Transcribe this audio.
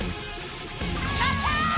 やった！